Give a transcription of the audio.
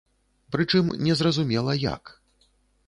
Прычым не зразумела як.